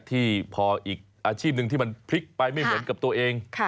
ที่พออีกอาชีพหนึ่งที่มันพลิกไปไม่เหมือนกับตัวเอง